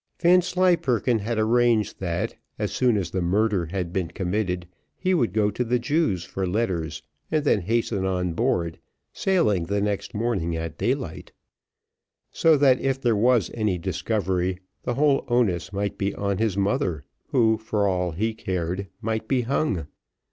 Vanslyperken had arranged that, as soon as the murder had been committed, he would go to the Jew's for letters, and then hasten on board, sailing the next morning at daylight; so that if there was any discovery, the whole onus might be on his mother, who, for all he cared, might be hung.